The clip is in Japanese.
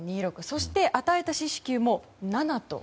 そして与えた四死球も７と。